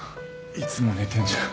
いつも寝てんじゃん。